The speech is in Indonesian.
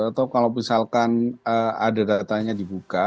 atau kalau misalkan ada datanya dibuka